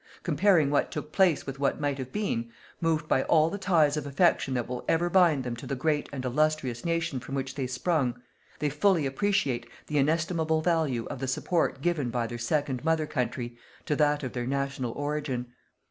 Comparing what took place with what might have been, moved by all the ties of affection that will ever bind them to the great and illustrious nation from which they sprung, they fully appreciate the inestimable value of the support given by their second mother country to that of their national origin.